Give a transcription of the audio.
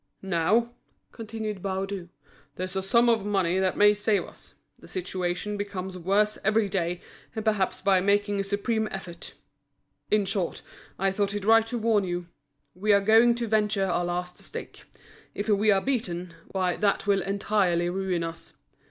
"Now," continued Baudu, "there's a sum of money that may save us. The situation becomes worse every day, and perhaps by making a supreme effort—In short, I thought it right to warn you. We are going to venture our last stake. If we are beaten, why that will entirely ruin us!